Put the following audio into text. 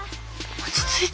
落ち着いて！